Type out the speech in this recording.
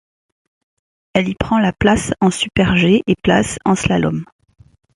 Elle y prend la place en super G et place en slalom.